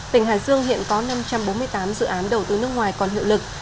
tỉnh hải dương hiện có năm trăm bốn mươi tám dự án đầu tư nước ngoài còn hiệu lực